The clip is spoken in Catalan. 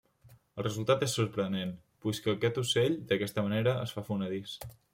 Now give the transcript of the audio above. El resultat és sorprenent puix que aquest ocell, d'aquesta manera, es fa fonedís.